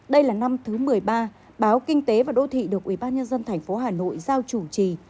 đây là năm thứ một mươi ba báo kinh tế và đô thị được ubnd tp hà nội giao chủ trì